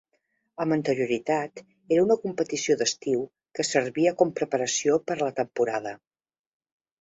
Amb anterioritat era una competició d'estiu que servia com preparació per a la temporada.